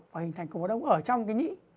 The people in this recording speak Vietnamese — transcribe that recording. và hình thành củng bó đông ở trong nhĩ